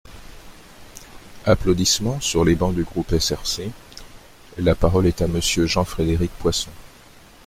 (Applaudissements sur les bancs du groupe SRC.) La parole est à Monsieur Jean-Frédéric Poisson.